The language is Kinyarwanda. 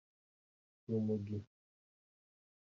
urumogi